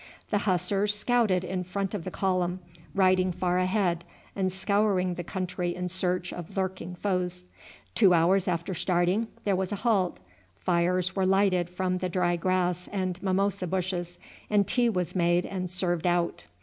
The Hussars scouted in front of the column, riding far ahead and scouring the country in search of lurking foes. Two hours after starting there was a halt, fires were lighted from the dry grass and mimosa bushes, and tea was made and served out.